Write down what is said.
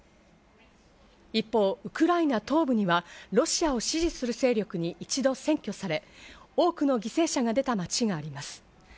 一方、ウクライナ東部にはロシアを支持する勢力に一度占拠され、多くの犠牲者が出た街があります。